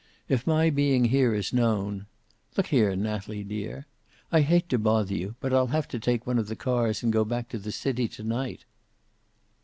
If my being here is known Look here, Natalie, dear, I hate to bother you, but I'll have to take one of the cars and go back to the city to night."